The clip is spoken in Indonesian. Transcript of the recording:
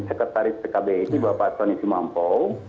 sekretaris pkb bapak soni simampo